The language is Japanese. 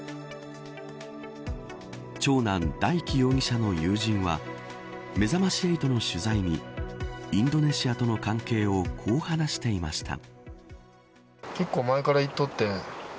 長男、大祈容疑者の友人はめざまし８の取材にインドネシアとの関係をこう話していました。